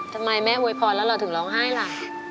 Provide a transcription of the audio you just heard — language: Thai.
ทำไมแม่อวยพรแล้วเราถึงร้องไห้ล่ะ